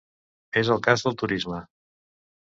És el cas del turisme.